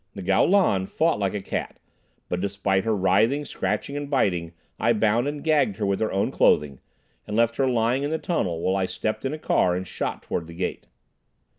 Ngo Lan fought like a cat, but despite her writhing, scratching and biting, I bound and gagged her with her own clothing, and left her lying in the tunnel while I stepped in a car and shot toward the gate.